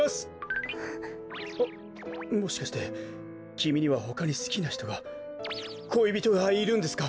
あっもしかしてきみにはほかにすきなひとがこいびとがいるんですか？